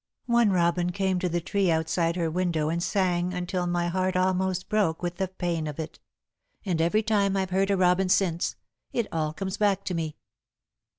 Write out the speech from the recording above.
One robin came to the tree outside her window and sang until my heart almost broke with the pain of it. And every time I've heard a robin since, it all comes back to me."